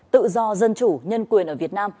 tự do dân chủ nhân quyền ở việt nam